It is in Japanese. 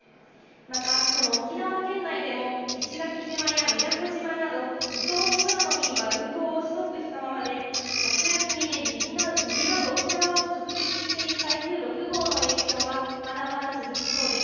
また、この沖縄県内でも、石垣島や宮古島など離島の空の便は運航をストップしたままで、夏休みでにぎわう沖縄を直撃している台風６号の影響は、まだまだ続きそうです。